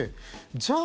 じゃあ